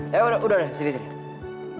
ya udah udah sini sini